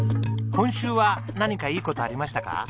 今週は何かいい事ありましたか？